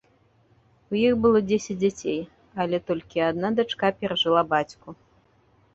У іх было дзесяць дзяцей, але толькі адна дачка перажыла бацьку.